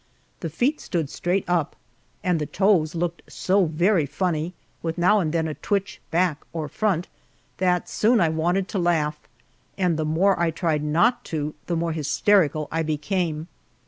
The feet stood straight up, and the toes looked so very funny, with now and then a twitch back or front, that soon I wanted to laugh, and the more I tried not to the more hysterical I became.